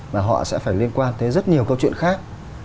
mà họ sẽ phải liên quan tới rất nhiều câu chuyện khác